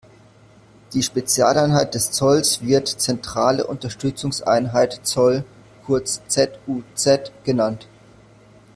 Die Spezialeinheit des Zolls wird zentrale Unterstützungseinheit Zoll, kurz Z-U-Z, genannt.